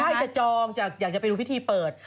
ใช่จะจองอยากจะไปดูพิธีเปิด